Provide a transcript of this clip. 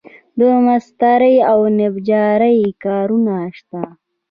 د مسترۍ او نجارۍ کارونه شته